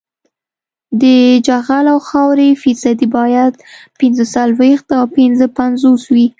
د جغل او خاورې فیصدي باید پینځه څلویښت او پنځه پنځوس وي